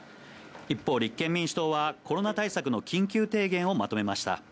一方、立憲民主党はコロナ対策の緊急提言をまとめました。